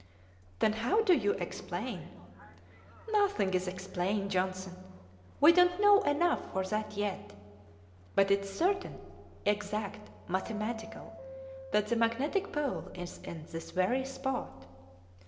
"Then how do you explain " "Nothing is explained, Johnson; we don't know enough for that yet. But it is certain, exact, mathematical, that the magnetic pole is in this very spot!"